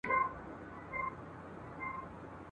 چی څرگندي بې عقلۍ مي د ځوانۍ سي ..